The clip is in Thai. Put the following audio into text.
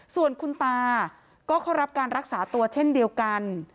ส่วนคุณตาก็เข้ารับการรักษาตัวเช่นเดียวกัน